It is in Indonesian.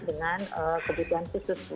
dengan kebijakan susu